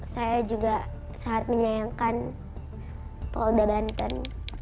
saya juga saat menyayangkan paul de banten